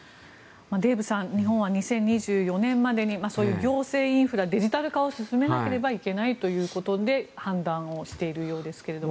デーブさん日本は２０２４年までにそういう行政インフラデジタル化を進めなければいけないということで判断をしているようですけれど。